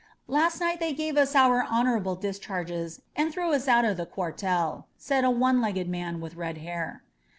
"Last night they gave us our honorable discharges and threw us out of the cuartel,'^ said a one legged man with red hair.